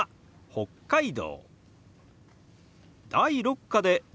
「北海道」。